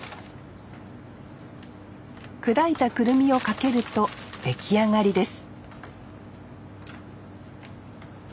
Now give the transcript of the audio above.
砕いたくるみをかけると出来上がりです